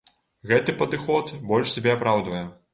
Гэты падыход больш сябе апраўдвае.